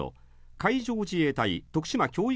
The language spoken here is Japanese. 海上自衛隊徳島教育